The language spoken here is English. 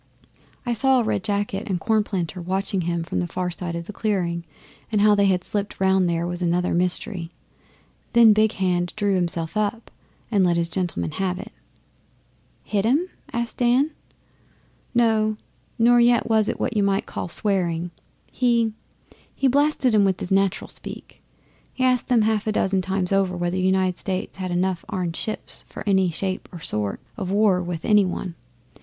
I saw Red Jacket and Cornplanter watching him from the far side of the clearing, and how they had slipped round there was another mystery. Then Big Hand drew himself up, and he let his gentlemen have it.' 'Hit 'em?' Dan asked. 'No, nor yet was it what you might call swearing. He he blasted 'em with his natural speech. He asked them half a dozen times over whether the United States had enough armed ships for any shape or sort of war with any one.